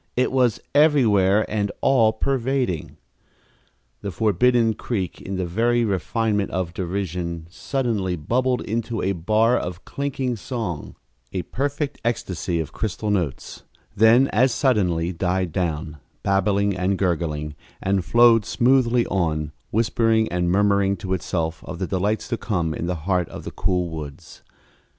It was everywhere and all pervading. The forbidden creek, in the very refinement of derision, suddenly bubbled into a bar of clinking song a perfect ecstasy of crystal notes then as suddenly died down, babbling and gurgling, and flowed smoothly on, whispering and murmuring to itself of the delights to come in the heart of the cool woods.